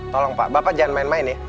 tolong pak bapak jangan main main nih